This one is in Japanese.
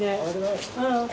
うん。